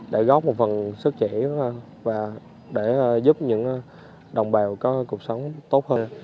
để góp một phần sức trẻ và để giúp những đồng bào có cuộc sống tốt hơn